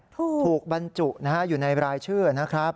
ถูกบรรจุอยู่ในรายชื่อนะครับ